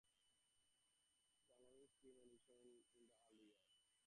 Journalists predominated in the early years.